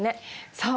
そう。